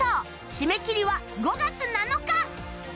締め切りは５月７日